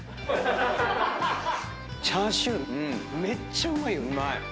チャーシューめっちゃうまい！